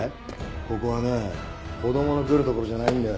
ここはね子供の来る所じゃないんだよ。